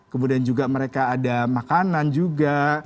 kemudian juga mereka ada makanan juga